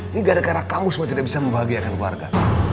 ini gara gara kamu semua tidak bisa membahagiakan warga